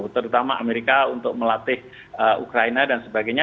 terutama amerika untuk melatih ukraina dan sebagainya